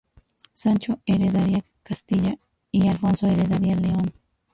Sancho heredaría Castilla y Alfonso heredaría León.